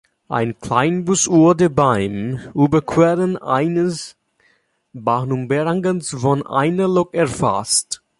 Ein Kleinbus wurde beim Überqueren eines Bahnübergangs von einer Lok erfasst.